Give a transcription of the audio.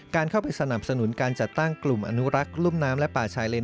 การเข้าไปสนับสนุนการจัดตั้งกลุ่มอนุรักษ์รุ่มน้ำและป่าชายเลน